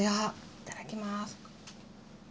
いただきます。